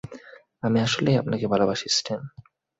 আমি আসলেই আপনাকে ভালোবাসি, স্ট্যান।